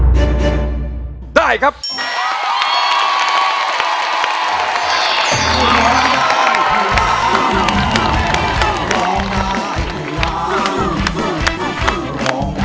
เพลงที่๑มูลค่า๑๐๐๐๐บาทน้องปลื้มร้อง